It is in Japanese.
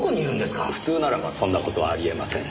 普通ならばそんな事はあり得ません。